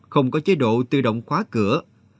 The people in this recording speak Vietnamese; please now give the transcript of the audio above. không có chế độ tự động khóa cửa